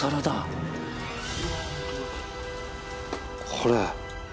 これ。